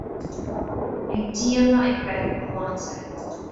Ag díol ná ag reic mo shláinte